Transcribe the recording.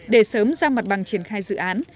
để sớm ra mặt bằng triển khai dự án